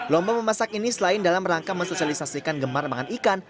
lomba memasak ini selain dalam rangka mensosialisasikan gemar makan ikan